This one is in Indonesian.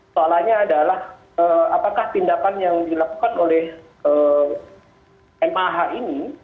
soalannya adalah apakah tindakan yang dilakukan oleh mah ini